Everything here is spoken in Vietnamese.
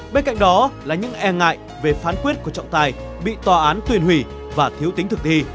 bên cạnh đó là những e ngại về phán quyết của trọng tài bị tòa án tuyên hủy và thiếu tính thực thi